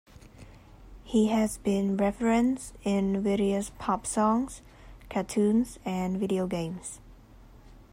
He has been referenced in various pop songs, cartoons, and video games.